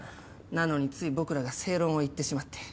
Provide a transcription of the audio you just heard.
なのについ僕らが正論を言ってしまって。